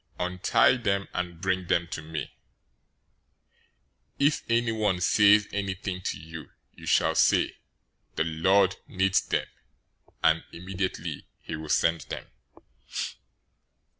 Untie them, and bring them to me. 021:003 If anyone says anything to you, you shall say, 'The Lord needs them,' and immediately he will send them."